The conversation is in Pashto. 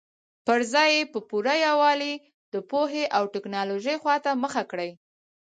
پر ځای یې په پوره یووالي د پوهې او ټکنالوژۍ خواته مخه کړې.